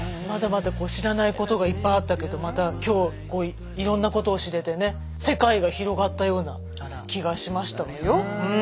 まだまだ知らないことがいっぱいあったけどまた今日いろんなことを知れてね世界が広がったような気がしましたわよ。